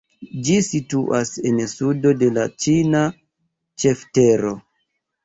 Ĝi situas en sudo de la ĉina ĉeftero.